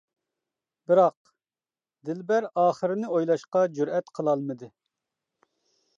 بىراق. دىلبەر ئاخىرىنى ئويلاشقا جۈرئەت قىلالمىدى.